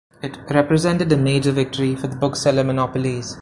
It represented a major victory for the bookseller monopolies.